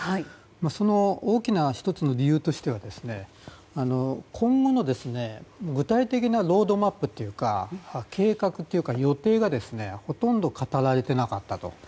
その大きな１つの理由としては今後の具体的なロードマップというか計画というか、予定がほとんど語られていなかったと。